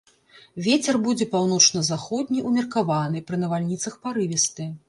Вецер будзе паўночна-заходні, умеркаваны, пры навальніцах парывісты.